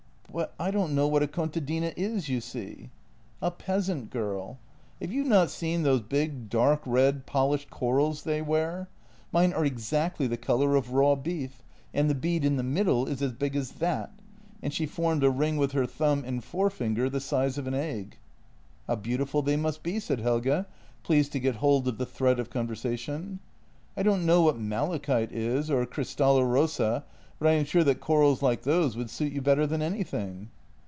" But I don't know what a contadina is, you see." " A peasant girl. Have you not seen those big, dark red, polished corals they wear? Mine are exactly the colour of raw beef, and the bead in the middle is as big as that "— and she formed a ring with her thumb and forefinger the size of an egg " How beautiful they must be," said Helge, pleased to get hold of the thread of conversation. " I don't know what mala chite is, or cristallo rossa, but I am sure that corals like those would suit you better than anything."